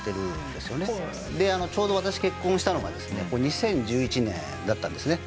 ちょうど私結婚したのがですね２０１１年だったんですね。